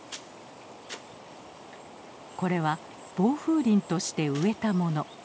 これは防風林として植えたもの。